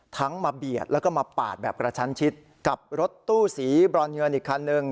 มาเบียดแล้วก็มาปาดแบบกระชั้นชิดกับรถตู้สีบรอนเงินอีกคันหนึ่ง